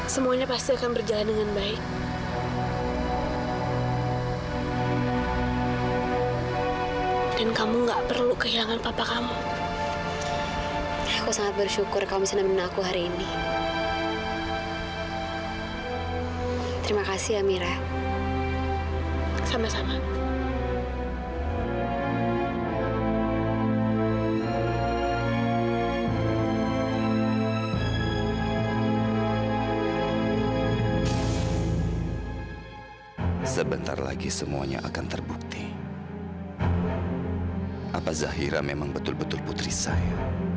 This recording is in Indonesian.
sampai jumpa di video selanjutnya